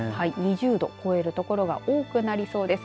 ２０度を超える所が多くなりそうです。